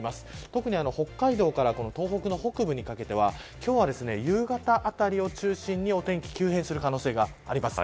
特に北海道から東北の北部に関しては今日は夕方あたりを中心にお天気が急変する可能性があります。